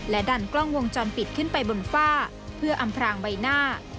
ดันกล้องวงจรปิดขึ้นไปบนฝ้าเพื่ออำพรางใบหน้า